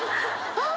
あっ！